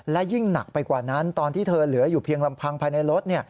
และยิ่งหนักไปกว่านั้นตอนที่เธอเหลืออยู่เพียงลำพังภายในรถ